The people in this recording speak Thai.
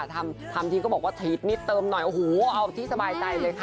ทำทีก็บอกว่าถีดมิดเติมหน่อยโอ้โหเอาที่สบายใจเลยค่ะ